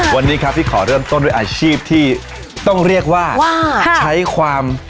วันนี้ครับที่ขอเริ่มต้นด้วยอาชีพที่ต้องเรียกว่าใช้ความ